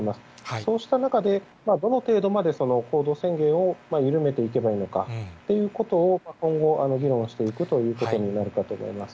そうした中で、どの程度まで行動制限を緩めていけばいいのかということを今後議論していくということになるかと思います。